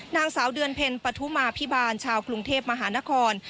นางสาวเดือนเพ็ญปฐุมาพิบาลชาวกรุงเทพมหานคร